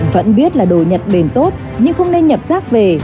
vẫn biết là đồ nhặt bền tốt nhưng không nên nhập rác về